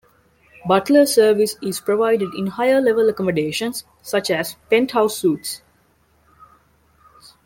Butler service is provided in higher-level accommodations such as Penthouse Suites.